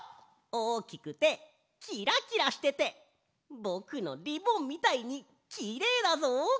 おおきくてキラキラしててぼくのリボンみたいにきれいだぞ！